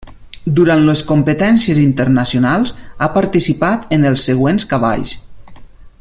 Durant les competències internacionals ha participat en els següents cavalls.